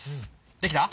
できた？